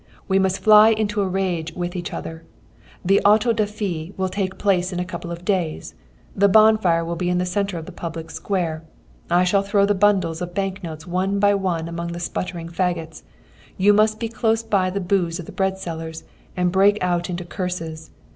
We must fly into a rage with each other. The auto da fé will take place in a couple of days. The bonfire will be in the centre of the public square. I shall throw the bundles of bank notes one by one among the spluttering faggots. You must be close by the booths of the bread sellers, and break out into curses.